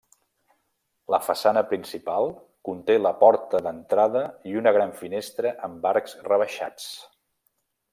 La façana principal conté la porta d'entrada i una gran finestra amb arcs rebaixats.